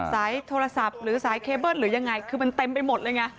สายโทรศัพท์หรือสายเคเบิ้ลหรือยังไงคือมันเต็มไปหมดเลยไง